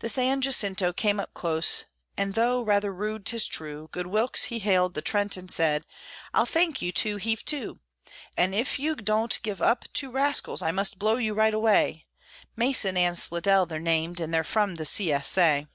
The San Jacinto came up close, and though rather rude, 'tis true, Good Wilkes he hailed the Trent and said, "I'll thank you to heave to; If you don't give up two rascals, I must blow you right away. Mason and Slidell they're named, and they're from the C. S. A."